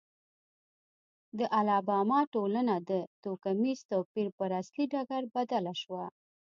د الاباما ټولنه د توکمیز توپیر پر اصلي ډګر بدله شوه.